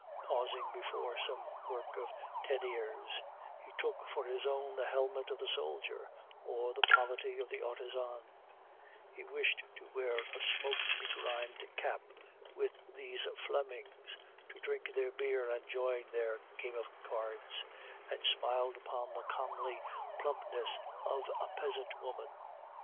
Pausing before some work of Teniers, he took for his own the helmet of the soldier or the poverty of the artisan; he wished to wear a smoke begrimed cap with these Flemings, to drink their beer and join their game at cards, and smiled upon the comely plumpness of a peasant woman.